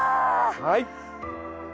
はい。